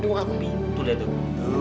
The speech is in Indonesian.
tuh aku bingung